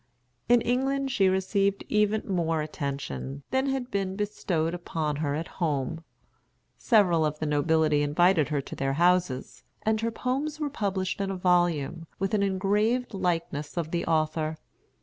In England she received even more attention than had been bestowed upon her at home. Several of the nobility invited her to their houses; and her poems were published in a volume, with an engraved likeness of the author.